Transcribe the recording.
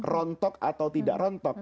rontok atau tidak rontok